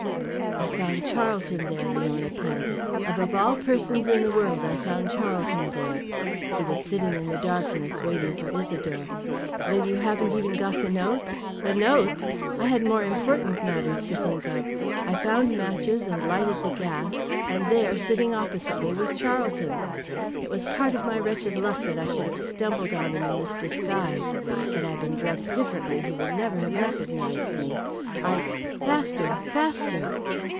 "I found Charlton there," Leona panted. "Above all persons in the world, I found Charlton there. He was sitting in the darkness waiting for Isidore " "Then you haven't even got the notes?" "The notes! I had more important matters to think of. I found matches and lighted the gas. And there sitting opposite me was Charlton. It was part of my wretched luck that I should have stumbled on him in this disguise. Had I been differently dressed he would never have recognized me. I . Faster, faster."